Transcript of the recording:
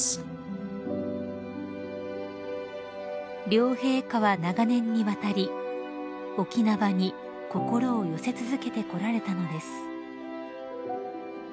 ［両陛下は長年にわたり沖縄に心を寄せ続けてこられたのです］